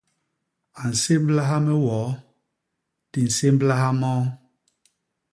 A nsémblaha me woo; di nsémblaha moo.